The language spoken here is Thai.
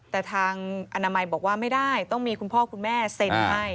แต่ทางอนามัยบอกว่าไม่ได้ต้องมีคุณพ่อคุณแม่เซ็นให้